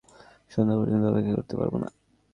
সন্ধ্যা পর্যন্ত অপেক্ষা করতে পারব না।